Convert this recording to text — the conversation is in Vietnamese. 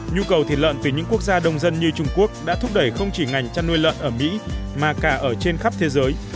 nhu cầu thịt lợn từ những quốc gia đông dân như trung quốc đã thúc đẩy không chỉ ngành chăn nuôi lợn ở mỹ mà cả ở trên khắp thế giới